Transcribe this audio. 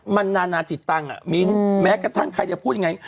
มันนานาจิตตังค์อ่ะมิ้นแม้กระทั่งใครจะพูดยังไง